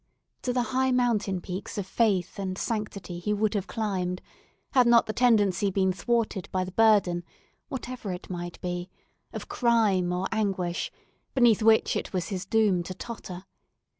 To the high mountain peaks of faith and sanctity he would have climbed, had not the tendency been thwarted by the burden, whatever it might be, of crime or anguish, beneath which it was his doom to totter.